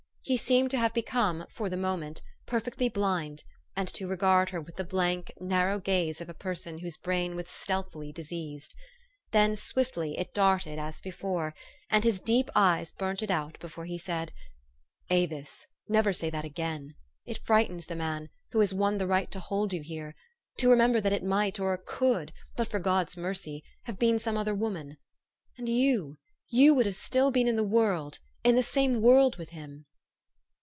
He seemed to have be come, for the moment, perfectly blind, and to regard her with the blank, narrow gaze of a person whose brain was stealthily diseased. Then swiftly it darted as before, and his deep eyes burnt it out before he said, "Avis, never say that again! It frightens the man who has won the right to hold you here to remember that it might or could, but for God's mercy, have been some other woman. And you you would have still been in the world, in the same world with him